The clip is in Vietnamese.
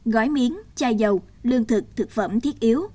gói miếng chai dầu lương thực thực phẩm thiết yếu